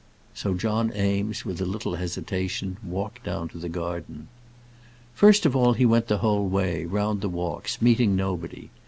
So John Eames, with a little hesitation, walked down the garden. First of all he went the whole way round the walks, meeting nobody.